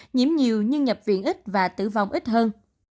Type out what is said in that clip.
nhiễm nhiều nhưng nhập viện ít và tử vong ít hơn